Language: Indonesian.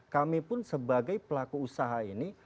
kami pun sebagai pelaku usaha ini